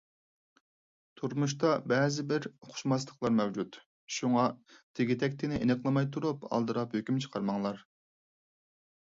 تۇرمۇشتا بەزىبىر ئۇقۇشماسلىقلار مەۋجۇت، شۇڭا تېگى-تەكتىنى ئېنىقلىماي تۇرۇپ ئالدىراپ ھۆكۈم چىقارماڭلار.